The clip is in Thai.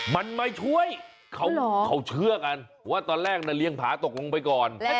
มันไม่ช่วยเขาเชื่อกันว่าตอนแรกน่ะเลี้ยงผาตกลงไปก่อน